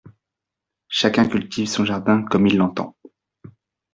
Chacun cultive son jardin comme il l’entend !